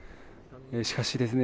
しかしですね